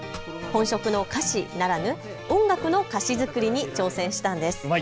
本職の菓子ならぬ音楽の歌詞作りに挑戦したんです。